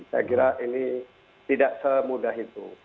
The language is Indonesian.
saya kira ini tidak semudah itu